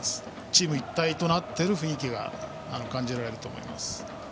チーム一体となっている雰囲気が感じられると思います。